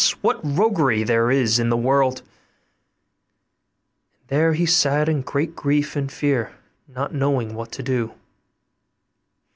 what roguery there is in the world!' and there he sat in great grief and fear, not knowing what to do.